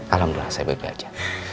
alhamdulillah saya baik baik saja